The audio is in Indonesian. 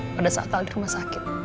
pada saat tahun di rumah sakit